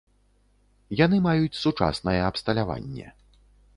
Яны маюць сучаснае абсталяванне.